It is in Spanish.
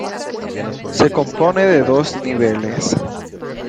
Se compone de dos niveles.